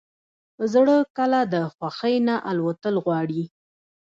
زړه کله د خوښۍ نه الوتل غواړي.